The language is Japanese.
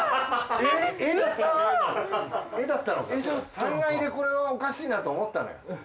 ３階でこれはおかしいなと思ったのよ。